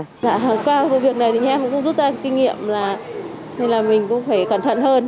qua vụ việc này thì em cũng rút ra kinh nghiệm là mình cũng phải cẩn thận hơn